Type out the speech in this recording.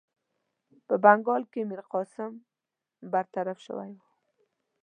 په بنګال کې میرقاسم برطرف شوی وو.